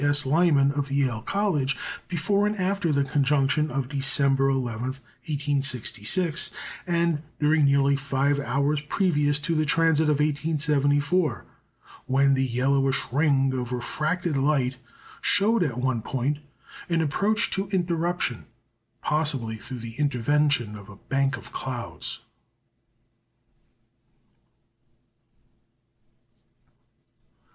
S. Lyman of Yale College, before and after the conjunction of December 11, 1866, and during nearly five hours previous to the transit of 1874, when the yellowish ring of refracted light showed at one point an approach to interruption, possibly through the intervention of a bank of clouds.